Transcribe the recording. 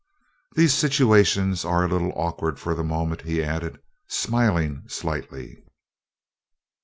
"These situations are a little awkward for the moment," he added, smiling slightly.